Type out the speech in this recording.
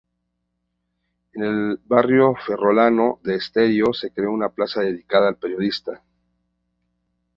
En el barrio ferrolano de Esteiro se creó una plaza dedicada al periodista.